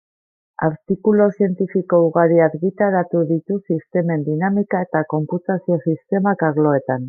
Artikulu zientifiko ugari argitaratu ditu sistemen dinamika eta konputazio-sistemak arloetan.